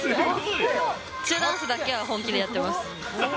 チアダンスだけは本気でやってます。